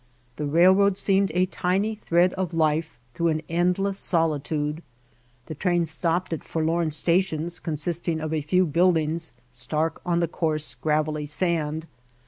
The railroad seemed a tiny thread of life through an endless solitude. The train stopped at forlorn stations consisting of a few buildings stark on the coarse, gravelly sand.